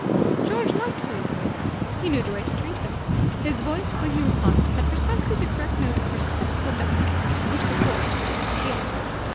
George liked policemen. He knew the way to treat them. His voice, when he replied, had precisely the correct note of respectful deference which the Force likes to hear.